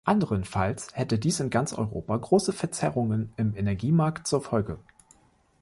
Anderenfalls hätte dies in ganz Europa große Verzerrungen im Energiemarkt zur Folge.